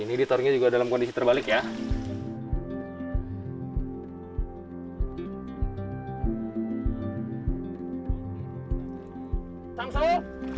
ini ditarungnya juga dalam kondisi terbalik ya